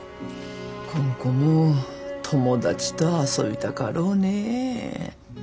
こん子も友達と遊びたかろうね。